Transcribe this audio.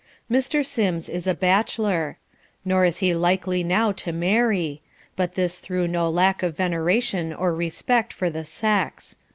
Mr. Sims is a bachelor. Nor is he likely now to marry: but this through no lack of veneration or respect for the sex.